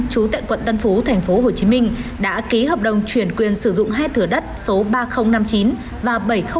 chú tệ quận tân phú tp hcm đã ký hợp đồng chuyển quyền sử dụng hai thửa đất số ba nghìn năm mươi chín và bảy trăm linh bảy